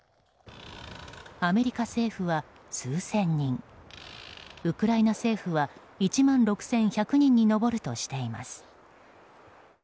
アメリカ政府は数千人ウクライナ政府は１万６１００人に上るとしています。